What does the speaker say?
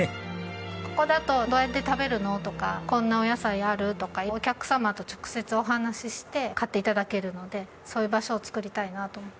ここだと「どうやって食べるの？」とか「こんなお野菜ある？」とかお客様と直接お話しして買って頂けるのでそういう場所をつくりたいなと思って。